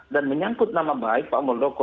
dan menyangkut nama baik pak moldoko